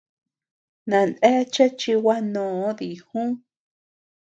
Naneachea chi gua noo dijú.